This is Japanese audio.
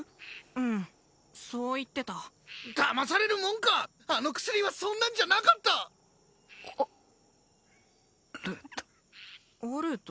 うんそう言ってただまされるもんかあの薬はそんなんじゃなかったオルドオルド？